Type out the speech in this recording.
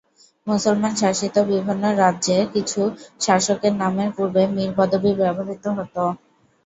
মুসলমান শাসিত বিভিন্ন রাজ্যে কিছু শাসকের নামের পূর্বে "মীর" পদবি ব্যবহৃত হতো।